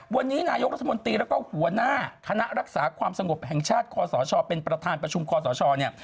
วันนี้นายกรัฐมนตรีแล้วก็หัวหน้าคณะรักษาความสงบแห่งชาติคอสชเป็นประธานประชุมคอสชเนี่ย